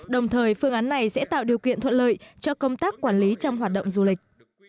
đồng thời phương án này sẽ tạo điều kiện thuận lợi cho công tác quản lý trong hoạt động du lịch